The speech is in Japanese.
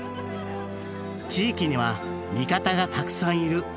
地域には味方がたくさんいる。